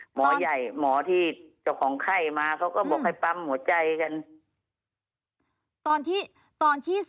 หมอใหญ่หมอที่เจ้าของไข้มาเขาก็บอกให้ปั๊มหัวใจกันตอนที่ตอนที่